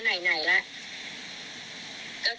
คลิปต่างแล้วก็แชท